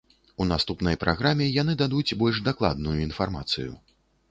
У наступнай праграме яны дадуць больш дакладную інфармацыю.